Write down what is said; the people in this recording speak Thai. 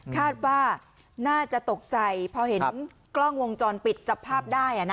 คาดว่าน่าจะตกใจพอเห็นกล้องวงจรปิดจับภาพได้